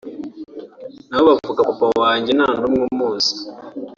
n’abo bavuga papa wanjye nta n’umwe umuzi